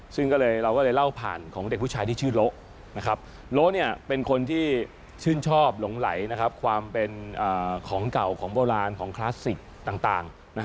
ซึ่งก็เลยเราก็เลยเล่าผ่านของเด็กผู้ชายที่ชื่อโละเป็นคนที่ชื่นชอบหลงไหลความเป็นของเก่าของโบราณของคลาสสิกต่าง